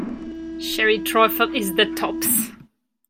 Sherry trifle is the tops!